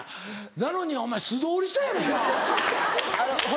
なのにお前素通りしたやろ今。